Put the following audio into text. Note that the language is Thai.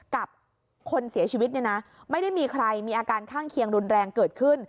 กับคนเสียชีวิตเนี่ยนะไม่ได้มีใครมีอาการข้างเคียงรุนแรงเกิดขึ้น